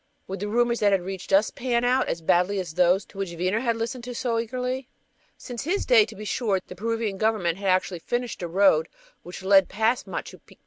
Would the rumors that had reached us "pan out" as badly as those to which Wiener had listened so eagerly? Since his day, to be sure, the Peruvian Government had actually finished a road which led past Machu Picchu.